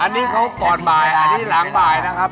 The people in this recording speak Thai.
อันนี้เขาก่อนบ่ายอันนี้หลังบ่ายนะครับ